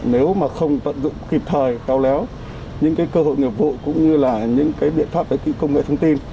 nếu mà không tận dụng kịp thời khéo léo những cơ hội nghiệp vụ cũng như là những biện pháp công nghệ thông tin